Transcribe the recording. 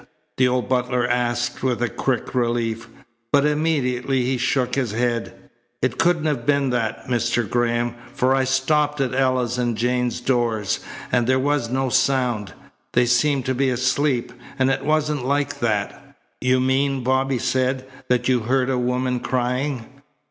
the old butler asked with a quick relief. But immediately he shook his head. "It couldn't have been that, Mr. Graham, for I stopped at Ella's and Jane's doors, and there was no sound. They seemed to be asleep. And it wasn't like that." "You mean," Bobby said, "that you heard a woman crying?"